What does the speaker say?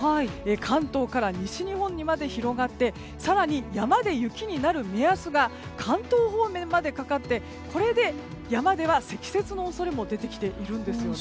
関東から西日本まで広がって更に、山で雪になる目安が関東方面までかかってこれで山では積雪の恐れも出てきているんですよね。